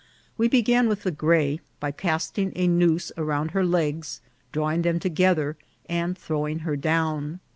We began with the gray, by casting a noose around her legs, drawing them together, and throwing her down.